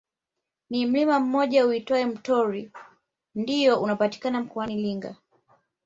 Ni mlima mmoja uitwao Mtorwi ndiyo unapatikana mkoani Iringa